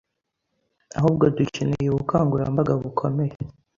ahubwo Dukeneye ubukangurambaga bukomeye